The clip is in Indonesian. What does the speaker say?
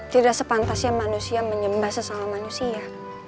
tidak sepantasnya manusia menyembah sesama manusia